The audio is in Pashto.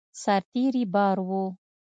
سرتېري بار وو.